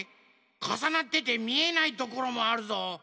かさなっててみえないところもあるぞ。